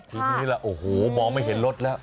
ทีนี้ล่ะโอ้โหมองไม่เห็นรถแล้ว